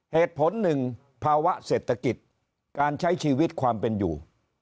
เหตุผลหนึ่งภาวะเศรษฐกิจการใช้ชีวิตความเป็นอยู่